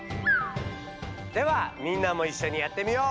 ではみんなもいっしょにやってみよう！